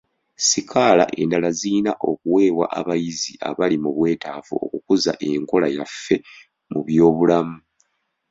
Sikaala endala zirina okuweebwa abayizi abali mu bwetaavu okukuza enkola yaffe mu byobulamu.